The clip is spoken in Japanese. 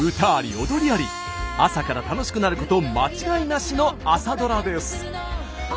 朝から楽しくなること間違いなしの朝ドラです。